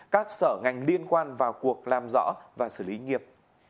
các sở ngành liên quan vào cuộc làm rõ và xử lý nghiệp